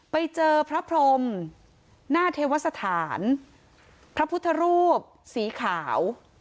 ไปเจอพระพรมหน้าเทวสถานพระพุทธรูปสีขาว